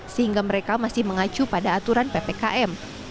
sehingga mereka masih mengacu pada aturan ppkm